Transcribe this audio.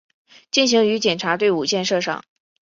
践行于检察队伍建设上